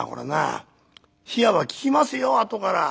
冷やは効きますよ後から。